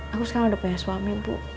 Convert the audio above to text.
aku sekarang udah punya suami bu